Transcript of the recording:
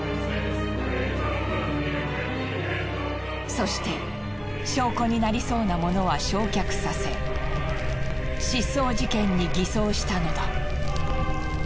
そして証拠になりそうな物は焼却させ失踪事件に偽装したのだ。